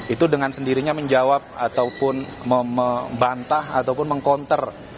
itu dengan sendirinya menjawab ataupun membantah ataupun meng counter